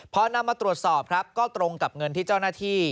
พอนำมาตรวจสอบครับก็ตรงกับเงินที่เจ้าหน้าที่